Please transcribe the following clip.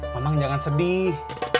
mamang jangan sedih